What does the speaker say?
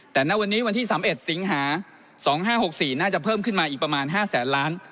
แต่ณวันนี้วันที่๓๑สิงหา๒๕๖๔น่าจะเพิ่มขึ้นมาอีกประมาณ๕แสนล้าน